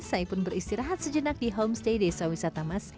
saya pun beristirahat sejenak di homestay desa wisata mas